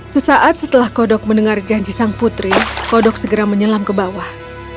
sesaat setelah kodok mendengar janji sang putri kodok segera menyelam ke bawah